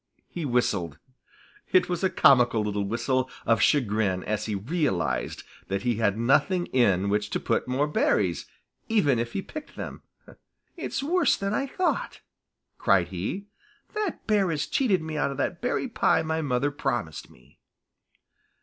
He whistled. It was a comical little whistle of chagrin as he realized that he had nothing in which to put more berries, even if he picked them. "It's worse than I thought," cried he. "That bear has cheated me out of that berry pie my mother promised me."